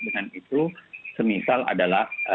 dengan itu semisal adalah